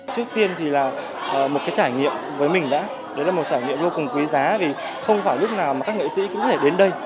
trước tiên thì là một cái trải nghiệm với mình đã đấy là một trải nghiệm vô cùng quý giá vì không phải lúc nào mà các nghệ sĩ cũng có thể đến đây